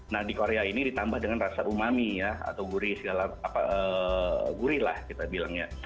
nah di korea ini ditambah dengan rasa umami ya atau gurih segala apa gurih lah kita bilang ya